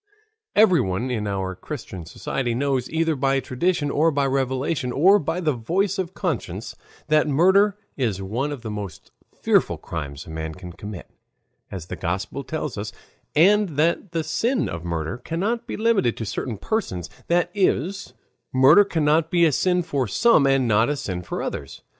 Everyone in our Christian society knows, either by tradition or by revelation or by the voice of conscience, that murder is one of the most fearful crimes a man can commit, as the Gospel tells us, and that the sin of murder cannot be limited to certain persons, that is, murder cannot be a sin for some and not a sin for others.